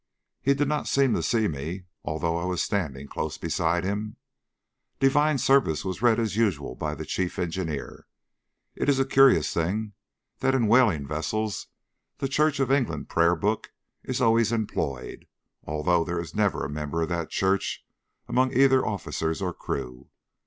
He did not seem to see me although I was standing close beside him. Divine service was read as usual by the chief engineer. It is a curious thing that in whaling vessels the Church of England Prayer book is always employed, although there is never a member of that Church among either officers or crew.